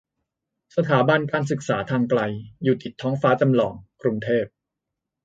สถาบันการศึกษาทางไกล อยู่ติดท้องฟ้าจำลอง กรุงเทพ